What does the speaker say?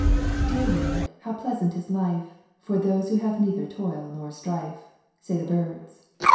"'Dear Lord, how pleasant is life, For those who have neither toil nor strife,' Say the birds."